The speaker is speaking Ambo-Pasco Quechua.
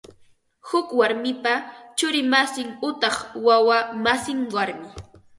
Huk warmipa churi masin utaq wawa masin warmi